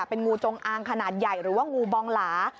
เป็นงูจงอางขนาดใหญ่หรือว่างูบองหลา